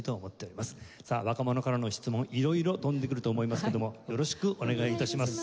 さあ若者からの質問色々飛んでくると思いますけどもよろしくお願い致します。